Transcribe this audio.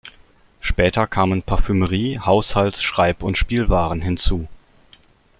Später kamen Parfümerie-, Haushalts-, Schreib- und Spielwaren hinzu.